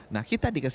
nah kita dikesan